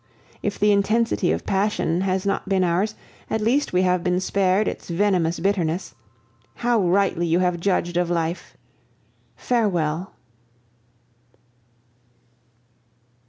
If the intensity of passion has not been ours, at least we have been spared its venomous bitterness. How rightly you have judged of life! Farewell.